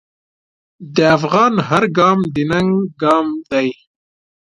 د افغان هر ګام د ننګ ګام دی.